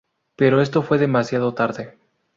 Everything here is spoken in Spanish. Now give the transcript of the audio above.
Pero esto fue demasiado tarde.